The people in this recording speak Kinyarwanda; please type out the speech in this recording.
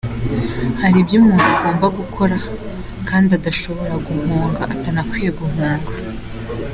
Hari ibyo umuntu agomba gukora kandi adashobora guhunga atanakwiye guhunga.